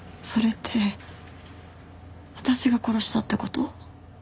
それって私が殺したって事？